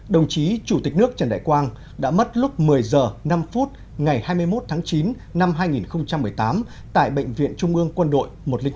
đồng chí chủ tịch nước trần đại quang đã mất lúc một mươi h năm ngày hai mươi một tháng chín năm hai nghìn một mươi tám tại bệnh viện trung ương quân đội một trăm linh tám